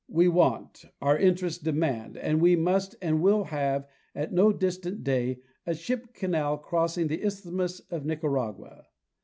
We want, our interests demand, and we must and will have at no distant day, a ship canal crossing the isthmus of Nicaragua.